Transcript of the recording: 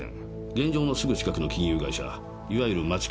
現場のすぐ近くの金融会社いわゆる街金の社長です。